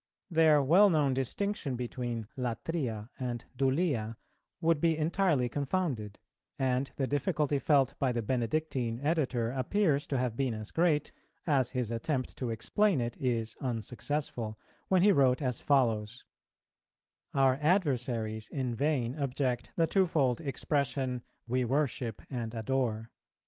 Their well known distinction between latria and dulia would be entirely confounded; and the difficulty felt by the Benedictine editor appears to have been as great, as his attempt to explain it is unsuccessful, when he wrote as follows: 'Our adversaries in vain object the twofold expression, we worship and adore.